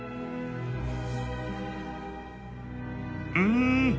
うん！